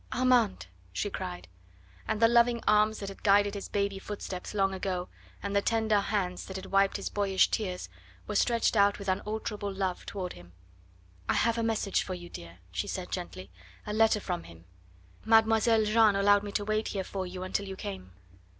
"Armand!" she cried. And the loving arms that had guided his baby footsteps long ago, the tender hands that had wiped his boyish tears, were stretched out with unalterable love toward him. "I have a message for you, dear," she said gently "a letter from him. Mademoiselle Jeanne allowed me to wait here for you until you came."